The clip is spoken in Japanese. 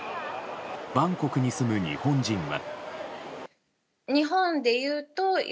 バンコクに住む日本人は。